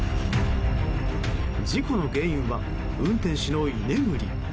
事故の原因は運転手の居眠り。